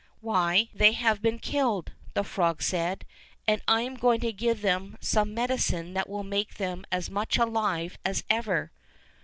"Why, they have been killed," the frog said, "and I am going to give them some medicine that will make them as much alive as ever."